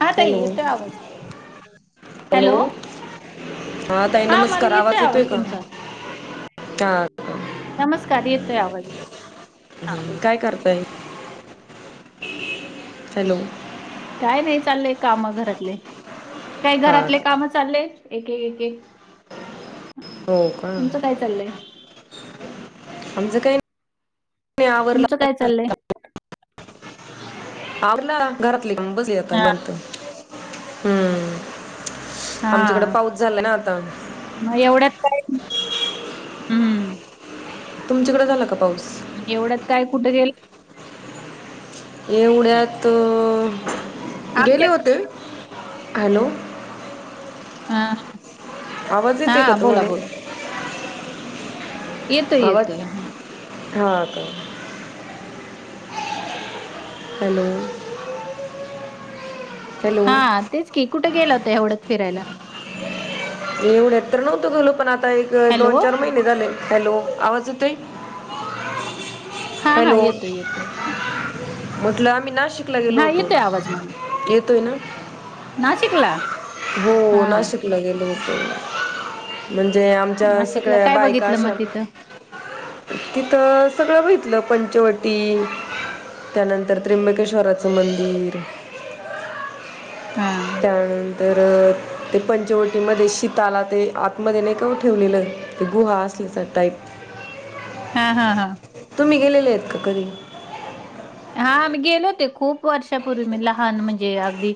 हा ताई हॅलो येतोय आवाज. हॅलो? हा ताई नमस्कार आवाज येतोय का? नमस्कार येतो आवज. हम् काय करताय? हॅलो? काय नाही, चाललंय काम घरातले. काय हा घरातले काम चाललेत एक एक एक. हम्म. हो का? तुमचं काय चाललंय? आमचं काय [unintelligible] तुमचं काय चाललंय? आवरलं. घरातली कामं बसली आताज हा निवांत. हम्म. आमच्याकडें हा पाऊस झालाय ना आता. मग एवढंच काय? हम्म. तुमच्याकडं झाला का पाऊस? एवढ्यात काय कुठं गेलं? एवढ्यात गेले आमच्या होते. हॅलो? हा हा. आवाज येतोय का हा, बोला तुम्हाला? बोला. येतोय आवाज येतोय हा. हा का? हॅलो? हॅलो हा तेच की कुठं गेला होता एवढ्यात फिरायला? येवढ्यात तर नव्हतो गेलो पण, आता एक हॅलो, दोन- चार महिने झालय हॅलो आवाज येतोय? हा हा हॅलो येतोय येतोय ह. म्हटलं आम्ही नाशिक ला गेलो होतो. येतोय आवाज मला. येतोय ना? नाशिकला? हो हा नाशिक. गेलो होतो. म्हणजे आमच्या नाशिकला सगळ्या काय बायका बघितलं अशा मग तिथं? तिथं सगळं भेटलं पंचवटी. त्यानंतर त्र्यंबकेश्वराचं मंदिर. हा. त्यानंतर ते पंचवटीमध्ये शीताला ते आतमध्ये नाही का ओ ठेवलेलं. ते गुहा असलीच टाईप. हा हा हा. तुम्ही गेलेले आहेत का कधी? हा मी गेले होते खूप वर्षापूर्वी मी लहान म्हणजे अगदी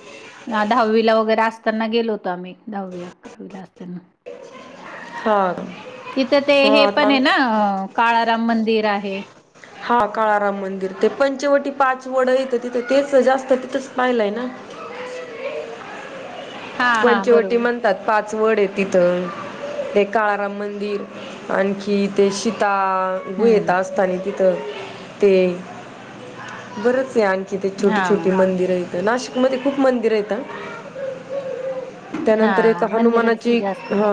दहावीला वगैरे असताना गेलो होतो आम्ही. दहावी, अकरावीला असताना हा. तिथं ते हा हे आता पण आहे आम- ना, काळाराम मंदिर आहे. हा काळाराम मंदिर ते पंचवटी पाच वड येतं तिथं तेच जास्त तिथंच पाहिलंय ना? हा हा पंचवटी बरोबर म्हणतात पाच वड आहे तिथं. हे काळाराम मंदिर. आणखी ते शीता गुहेत हम्म असताना तिथ ते बरच आहे तिथे छोटी हा छोटी मंदिरं आहेतं नाशिकमध्ये खूप मंदिर आहेतं. त्यानंतर एक हा मंदिरच हनुमानाची जास्त हा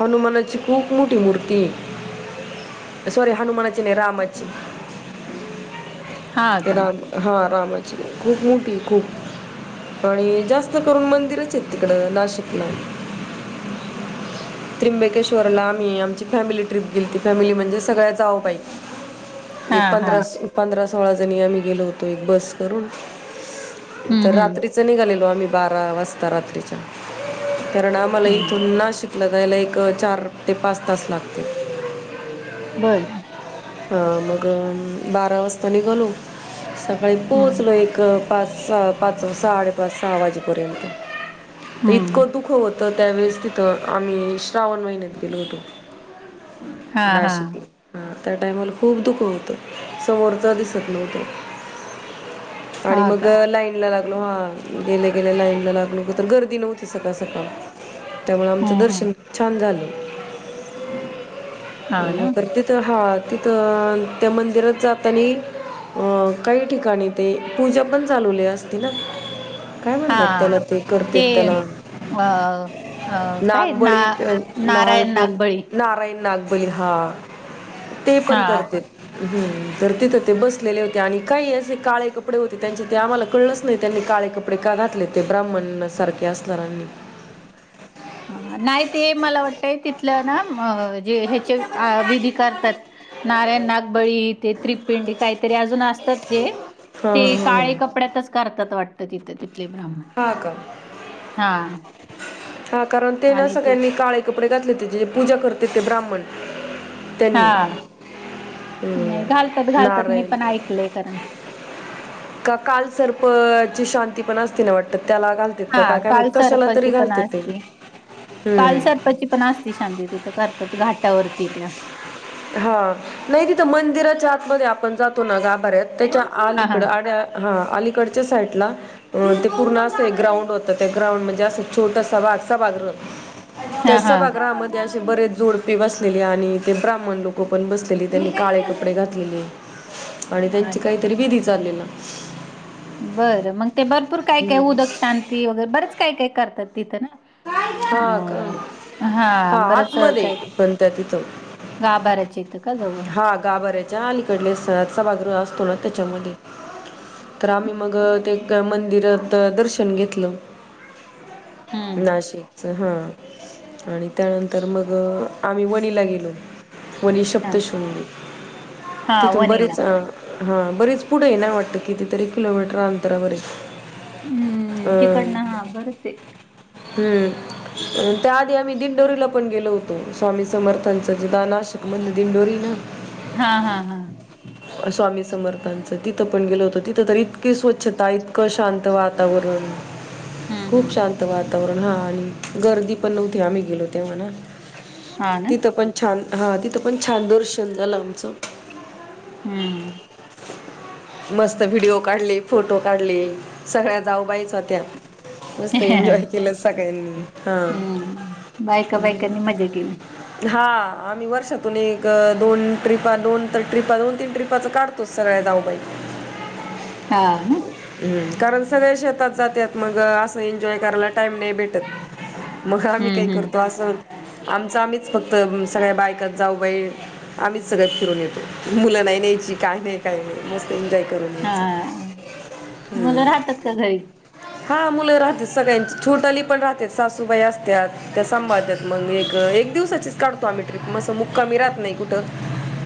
हनुमानाची खूप मोठी मूर्ती ये सॉरी हनुमानाची नाही रामाची. हा का राम हा रामची खूप मोठी खूप आणि जास्त करून मंदिरच आहेत तिकड नाशिकला. त्र्यंबकेश्वरला आम्ही आमची फॅमिली ट्रिप गेलीती फॅमिली म्हणजे सगळ्या जाव बाई हा एक, हा पंधरा, पंधरा सोळा जणी आम्ही गेलो होतो एक बस करून. हम्म तर हम्म रात्रीच निघालेलो आम्ही बारा वाजता रात्रीच्या कारण आम्हाला हम्म इथून नाशिकला जायला एक, चार ते पाच तास लागतात. बरं. ह मग बारा वाजता निघालो सकाळी हम्म पोहोचलो एक, पाच, सहा पाच, साडेपाच, सहा वाजेपर्यंत तर हम्म इतकं धुख होत तर त्यावेळेस तिथं आम्ही श्रावण महिन्यात गेलो होतो. हा हा नाशिकला, हा. त्या टायमाला खूप धुक होतं समोरच दिसत नव्हतं. आणि हा मग का लाईन लाईनला लागलो हा गेल्या, गेल्या लाईन लागलो तर गर्दी नव्हती सकाळ, सकाळ त्यामुळ आमचं हम्म दर्शन हम्म छान झालं हा ना तरी तेच हा तिथं त्या मंदिरात जातानी अं काही ठिकाणी ते पूजा पण चालुवली असती ना काय म्हणतात हा त्याला ते करतेत त्याला अ काय ना नागबळी अ नारायण नागब नागबळी नारायण नाग बळी हा ते हा पण करतेत हम्म, तर तिथं ते बसलेले होते आणि काही असे काळे कपडे होते त्यांचे ते आम्हाला कळलंच नाही त्यांनी काळे कपडे का घातले ते ब्राह्मण सारखे असणाऱ्यांनी. ह, नाही ते मला वाटतंय तिथलं ना जे ह्याचे विधी करतात नारायण नागबळी तेे त्रिप्पिंडी काहीतरी अजून असत ते हा ते काळे हा कपड्यातच करतात वाटतं तिथे तिथले ब्राह्मण हा का हा हा कारण ते ना सगळ्यांनी काळे कपडे घातले जे पूजा करत तिथे ब्राह्मण त्यांनी हा नाही घालतात हम्म, घालतात मी नारायण पण ऐकलंय कारण का कालसर्पची शांती पण असती ना वाटत त्याला घालतेत हा का काय माहित, काल कशाला सर्पाची तरी घालत्या ते हम्म पची पण असती शांती तिथं करतात घाटावरती त्या. हा नाही तिथं मंदिराच्या आतमध्ये आपण जातो ना गाभाऱ्यात त्याच्या हा हा आलीकड आड्या हा अलीकडच्या साईडला अ ते पूर्ण असं ग्राउंड होत त्या ग्राउंड म्हणजे अस छोटसा सभागृह त्या हा हा सभागृमध्ये ते अशेच, बरेच जोडपे बसलेले आणि ते ब्रा ब्राह्मण लोक पण बसलेले त्यांनी काळे कपडे घातलेले आणि त्यांची अच्छा काहीतरी विधी चाललेला बरं मग ते भरपूर काय, काय हम्म. उदक शांती वगैरे बरेच काय, काय करतात तिथं ना हा का होय, हा बरंच आतमध्ये काही पण त्या तिथं घाबराच्या इथं का जवळ? हा गाभाऱ्याच्या अलीकडले सभागृह असतो ना त्याच्यामध्ये तर आम्ही मग ते एक मंदिरात दर्शन घेतलं. हम्म नाशिक च हा.. आणि त्यानंतर मग अ.. आम्ही वणीला गेलो वणी श हा सप्तशृंगी.. हा तिथून वणीला बरीच अ हा... बरीच पुढ आहे ना वाटत कितीतरी किलोमीटर अंतरावर है. हम्म. तिकडन हा.. पडते. हम्म.. त्याआधी आम्ही दिंडोरीला पण गेलो होतो, स्वामी समर्थांच जिथ नाशिक मध्ये दिंडोरी आहे ना हा.. हा.. हा स्वामी समर्थांचं.. तिथं पण गेलो होतो तिथं तर इतके स्वच्छता इतकं शांत वातावरण.. हम्म खूप हम्म शांत वाताव वातावरण हा आणि गर्दी पण नव्हती आम्ही गेलो तेव्हा ना हा ना तिथ पण छान, हा.. तिथं पण छान दर्शन झालं आमचं हम्म मस्त व्हिडिओ काढले, फोटो काढले. सगळ्या जाऊबायच होत्या, मस्त एन्जॉय केलं सगळ्यांनी.. हा हम्म बायका -बायकांनी मजा केली हा.. आम्ही वर्षातून एक.. दोन ट्रीपा दोन तर ट्रिपा दोन तीन ट्रिपाचा काढतोच सगळ्या जाऊबाई हा.. ना हम्म.. कारण सगळे शेतात जातात मग असं.. एन्जॉय करायला टाइम नाही भेटत. मग आम्ही काही हम्म हम्म करतो असं... आमच आम्हीच फक्त सगळ्या बायकात जाऊ बाई आम्हीच सगळ्यात फिरून येतो, मुलं नाही न्यायची काही नाही काही नाही मस्त एन्जॉय करून यायच मुल राहतात का घरी? हा मुलं राहत्या सगळ्यांची... छोटाली पण राहते सासूबाई असत्यात त्या सांभाळत्यात मग एक.. एक दिवसाचीच काढतो आम्ही ट्रीप मस्त.. असं मुक्कामी राहत नाही कुठं,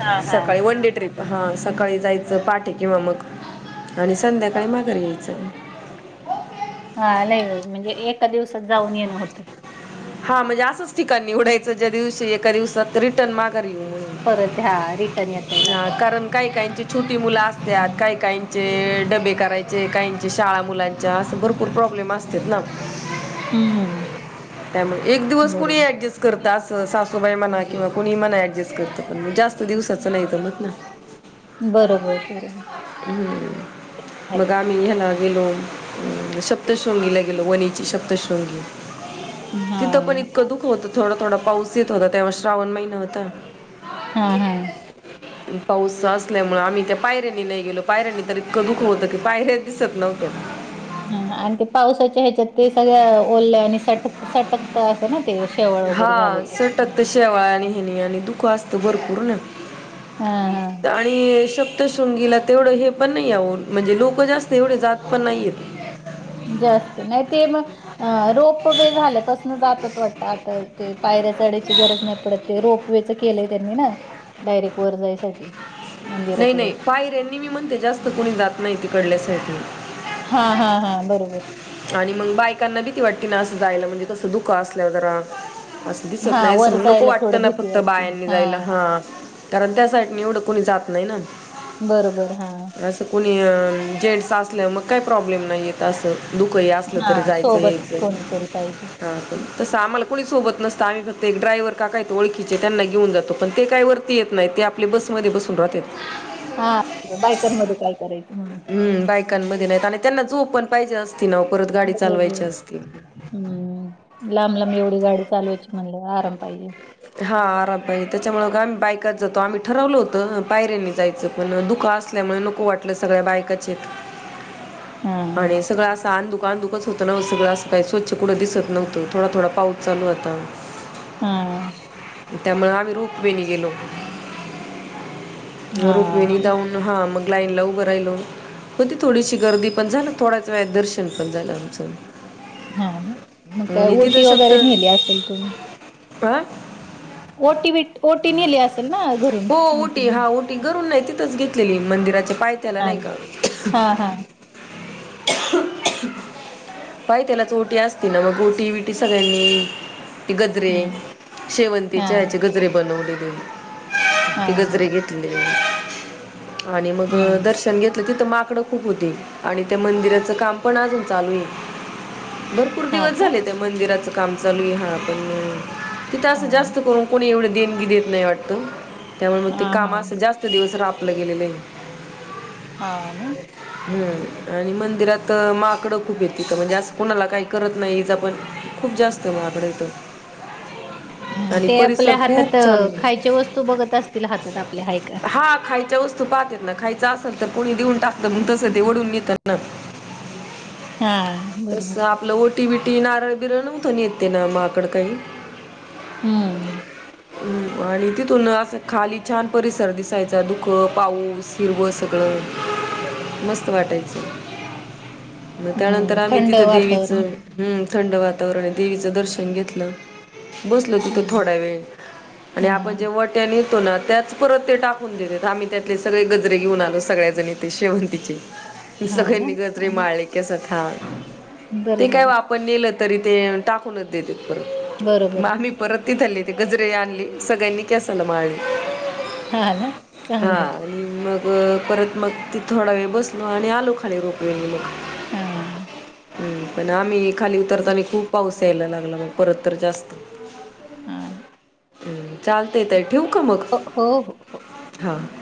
हा हा सकाळी वन डे ट्रीप हा.. सकाळी जायचं पाठे किंवा मग आणि संध्याकाळी माघार यायचं हा लैव... म्हणजे एका दिवसात जाऊन येणं होतं. हा म्हणजे असंच ठिकाणी निवडायचं ज्या दिवशी एका दिवसात रिटर्न मागार येऊ म्हून परत हा रिटर्न येता येईल हा.. असं. कारण काही -काहीची छोटी मुलं असत्यात काही- काही चे.. डबे करायचे.. काहीचे शाळा मुलांच्या असं.. भरपूर प्रॉब्लेम असत ना. हुम्म्म्म त्यामुळे एक दिवस कुणी अऍडजस्ट करत अस सासूबाई म्हणा किंवा कुणी मणा ऍडजस्ट करतं पण जास्त दिवसाचं नाहीत जमत ना बरोबर बरोबर हुम्.. मग आहे. आ आम्ही ह्याला गेलो, हु.. सप्तशृंगीला गेलो वणीची सप्तश्रृंगी हा तिथं पण इतकं धुक होतं थोडं -थोडा पाऊस येत होता तेव्हा श्रावण महिना होता हा.. हा पाऊसच असल्यामुळे आम्ही त्या पायऱ्यांनी नाही गेलो पायऱ्यांनी तर इतकं दुक होतं की पायऱ्या दिसत नव्हत्या. हा आणि ते पावसाच्या ह्याच्यात ते सगळ्या ओल्या आणि सटक.. सटकता असं ना ते शेवळ वगैरे हा झालेलं असत ना सटक तर शेवाळ आणि ह्यानी आणि दुख असतं भरपूर ना हा.. हा.. हा आणि शप्तशृंगीला तेवढं हे पण नाही आहो.. म्हणजे लोकं जास्त एवढे जात पण नाहीयेत. जास्त नाही.. ते मग अ रोप वे झाल्यापासून जातात वाटतं आता ते पायऱ्या चडायची गरज नाही पडत ते रोप वेच केलंय त्यांनी ना डायरेक्ट वर जाय साठी नाही नाही पायर्यानी मीनीमम ते जास्त कोणी जात नाही तिकडल्या साईटले हा हा हा बरोबर आणि मग बायकांना भीती वाटती ना असं जायला म्हणजे कसं धुकं असल्यावर जरा असं दिसत नाही हां, अस वर मग नको जायला वाटतं थोडं ना भीती फक्त वाटते. बायांनी जायला हां, हा कारण त्या साईट नी येवडं कुणी जात नाही ना बरोबर हा असं कुणी जेन्ट्स असल्या मग काही प्रॉब्लेम नाही येत असं धुकंही असलं तरी हां, जायचं सोबत यायचं कोणीतरी पाहिजे. हां तंस आम्हाला कोणी सोबत नसतं आम्ही फक्त ड्रायव्ह काका आहेत ओळखीचे त्यांना घेऊन जातो पण ते काही वरती येत नाही ते आ पले बसमध्ये बसून राहत्यात हा बायकांमध्ये काय करायचं म्हणून. हम् बायकांमध्ये नाहीत आणि त्यांना झोप पण पाहिजे असती ना परत गाडी चालवायची असती ना हम्म लांब लांब एवढी गाडी चालवायची म्हणल्यावर आराम पाहिजे हा आराम पाहिजे त्याच्यामुळे आम्ही बायकात जातो आम्ही ठरवल होतं पायऱ्यांनी जायचं पण धुकं असतं त्यामुळे नको वाटलं सगळ्या बायकाच आहेत हां, आणि सगळ आसं आंधुक आंधुकच होत ना सगळं काही स्वच्छ कुठं दिसत नव्हतं थोडा थोडा पाऊस चालू होता. हां त्यामुळे आम्ही रोपवेणं गेलो रोपवेणं हां, जाऊन हा मग लाईनला उभं राहिलो. होती थोडीशी गर्दी पण झालं थोड्याच वेळात दर्शन पण झालं आमचं हा ना मग काय आणि ओटी वगैरे न्हेली असेल तुम्ही पा [unintelligible] ओटीबिट ओटी नेली असन हो ओटी हा ओटी घरुन नाही तिथंच घेतलेली मंदिराच्या पायथ्याला नाही का. हा हा पायथ्यालाच ओटी असते ना मग ओटी विटी सगळ्यांनी मिळून ते गजरे हं, शेवंतीच्या हां, ह्याचे गजरे बनवलेली ते गजरे हां. घेत ले आणि मग हं, दर्श न घेतलं तिथ माकडं खूप होते आणि त्या मंदिराच काम पण अजून चालू आहे भरपुर हां दिवस का? झाले ते मंदिराचं काम चालू आहे हा पण तिथं असं हां, जास्त करून कोणी एवढं देणगी देत नाही वाटतं त्यामुळे मग ते हां, काम असं हां. जास्त ते दिवस तर लांबलं गेलेलं आहे हा ना हो आणि मंदिरात माकडं खूप आहेत. तिथं म्हणजे असं कोणाला काही करत नाही इजा पण खूप जास्त माकडे आहेत. हा आणि ते परिसर आपल्या हातात खूप छान अ, आहे खायच्या वस्तू बघत असतील हातात आपल्या हाय का? हा खायच्या वस्तू ते पाहतेत ना खायचं असेल तर कोणी देऊन टाकतं मग तसं ते वडून नेतात ना हा तसं आपलं ओटी -बिटी, नारळ- बिरळ नव्हतं नेत ते ना माकड काही हम् हं आणि तिथून असं खाली छान परिसर दिसायचा धुकं पाऊस हिरवं सगळं मस्त वाटायचं. मग त्यानंतर हं. आम्ही थंड तिथं वातावरण. देवीचं हू थंड वातावरण आहे देवीचं दर्शन घेतलं. बसलो तिथं हां, थोडा वेळ. आणि आपण जे हां. वट्या ने- -तो ना? त्याच परत ते टाकून देतात. आम्ही त्यातले सगळे गजरे घेऊन आलो. सगळ्याजणी ते शेवंतीचे. हां ना? सगळ्यांनी गजरे अरे, माळले. केसात हां. बरं ते काय हो झालं. आपण नेलं तरी ते टाक- -कूनच देत्यात परत. मग बरोबर. आम्ही- परत तिथल्ले ते गजरे आणले. सगळ्यांनी केसाला माळले. हा ना? हा चांगलय. आणि मग परत मग तिथं थोडा वेळ बसलो आणि आलो खाली रोप वे नी मग हं. हं. पण आम्ही खाली उतरतानी खूप पाऊस यायला लागला मग परत तर जास्त. हां ना. हूं. चालतंय ताई. ठेवू का मग? हो. हो. हो. हां.